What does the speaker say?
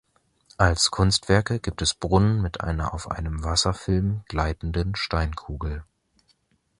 Als Kunstwerke gibt es Brunnen mit einer auf einem Wasserfilm gleitenden Steinkugel.